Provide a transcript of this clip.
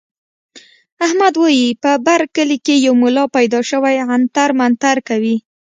احمد وايي په بر کلي کې یو ملا پیدا شوی عنتر منتر کوي.